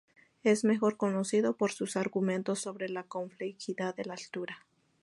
Es mejor conocido por sus argumentos sobre la complejidad de la cultura.